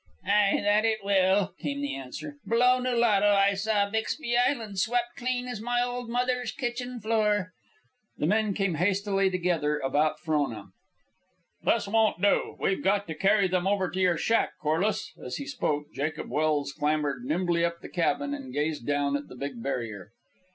"Ay, that it will," came the answer. "Below Nulato I saw Bixbie Island swept clean as my old mother's kitchen floor." The men came hastily together about Frona. "This won't do. We've got to carry them over to your shack, Corliss." As he spoke, Jacob Welse clambered nimbly up the cabin and gazed down at the big barrier.